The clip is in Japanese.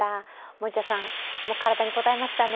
森田さん、体にこたえましたね。